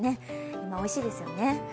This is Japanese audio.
今、おいしいですよね。